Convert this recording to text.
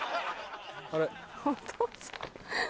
あれ？